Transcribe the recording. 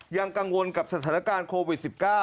ยังกังวลกับสถานการณ์โควิด๑๙